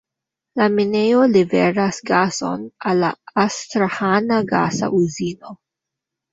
La minejo liveras gason al la Astraĥana gasa uzino.